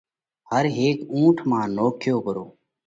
هر هيڪ اُونٺ مانه نوکيو پرو۔